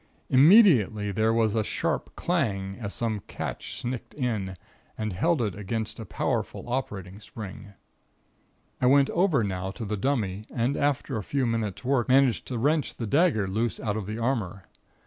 Immediately there was a sharp clang, as some catch snicked in, and held it against the powerful operating spring. I went over now to the dummy, and after a few minute's work managed to wrench the dagger loose out of the armor.